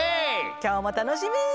きょうもたのしみ！